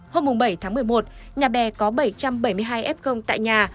hôm bảy tháng một mươi một nhà bè có bảy trăm bảy mươi hai f tại nhà